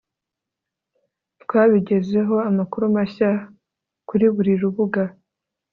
twabigezeho Amakuru mashya kuri buri rubuga